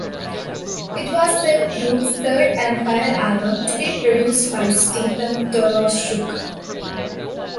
It was the group's third and final album to be produced by Stefan Doroschuk.